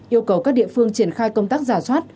yêu cầu các địa phương triển khai công tác giả soát